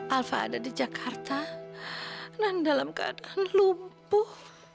alfa ada di jakarta dan dalam keadaan lumpuh